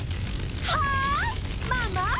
はいママ！